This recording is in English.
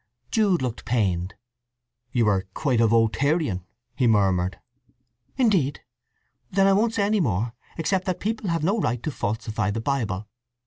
Jude looked pained. "You are quite Voltairean!" he murmured. "Indeed? Then I won't say any more, except that people have no right to falsify the Bible!